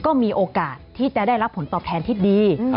ก็มีโอกาสที่จะได้รับผลตอบแทนที่ดี